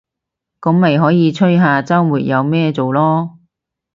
噉咪可以吹下週末有咩做囉